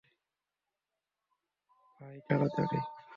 ভাই, তাড়াতাড়ি!